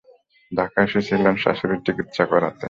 ঢাকায় এসেছিলেন শাশুড়ির চিকিত্সা করাতে।